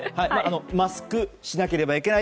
マスクはしなければいけない。